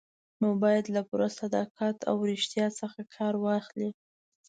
نو باید له پوره صداقت او ریښتیا څخه کار واخلئ.